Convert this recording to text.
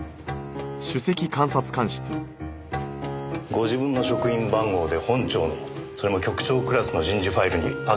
ご自分の職員番号で本庁のそれも局長クラスの人事ファイルにアクセスしましたね。